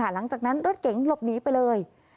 หลังจากนั้นรถเก๋งหลบหนีไปเลย